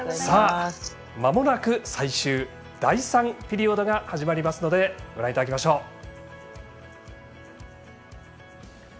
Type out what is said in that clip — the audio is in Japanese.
まもなく最終、第３ピリオドが始まりますのでご覧いただきましょう。